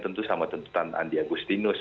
tentu sama tuntutan andi agustinus